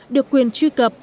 được quyền truy cập